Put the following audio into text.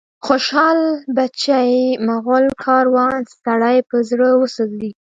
خوشال بچي، مغول کاروان، سړی په زړه وسوځي